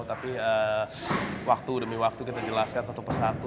tapi waktu demi waktu kita jelaskan satu persatu